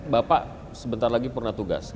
bapak sebentar lagi pernah tugas